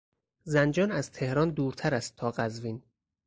زنجان از تهران دورتر است تا قزوین.